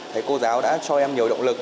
thầy cô giáo đã cho em nhiều động lực